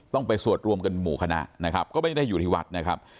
ไปสวดรวมกันหมู่คณะนะครับก็ไม่ได้อยู่ที่วัดนะครับ